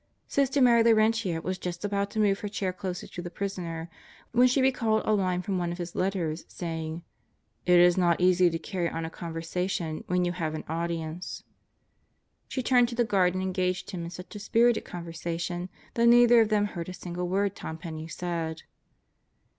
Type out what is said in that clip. Sister Mary Laurentia was just about to move her chair doser to the prisoner when she recalled a line from one of his letters saying: "It is not easy to carry on a conversation when you have an audience." She turned to the guard and engaged him in such a spirited conversation that neither of them heard a single word Tom Penney said.